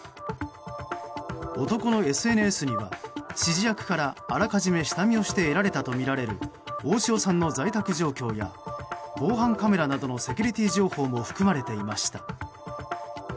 男のＳＮＳには指示役からあらかじめ下見をして得られたとみられる大塩さんの在宅状況や防犯カメラなどのセキュリティー情報も含まれていました。